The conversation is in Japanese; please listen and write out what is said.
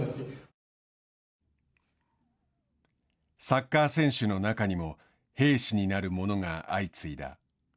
サッカー選手の中にも兵士になるものが相次いだ。